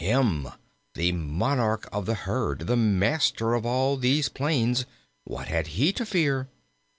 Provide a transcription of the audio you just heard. Him! the monarch of the herd, the master of all these plains, what had he to fear?